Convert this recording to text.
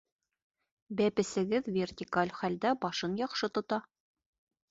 Бәпесегеҙ вертикаль хәлдә башын яҡшы тота.